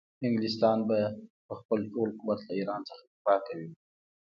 انګلستان به په خپل ټول قوت له ایران څخه دفاع کوي.